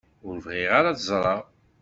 Ur bɣiɣ ara ad ẓreɣ.